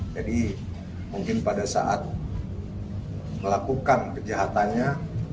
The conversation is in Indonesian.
jadi mungkin pada saat melakukan kejahatannya